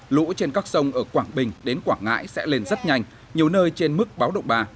lũ trên các sông ở quảng bình đến quảng ngãi sẽ lên rất nhanh nhiều nơi trên mức báo động ba